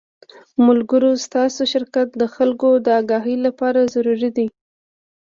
ملګرو ستاسو شرکت د خلکو د اګاهۍ له پاره ضروري دے